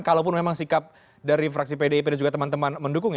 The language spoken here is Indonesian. kalaupun memang sikap dari fraksi pdip dan juga teman teman mendukung ya